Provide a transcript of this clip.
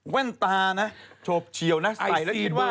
แว่นตานะโชบเชียวนะสไตล์แล้วคิดว่า